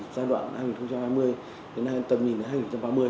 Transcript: giai đoạn hai nghìn hai mươi đến nay tầm nhìn đến hai nghìn ba mươi